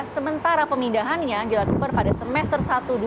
sementara pemindahannya dilakukan pada semester satu dua ribu dua puluh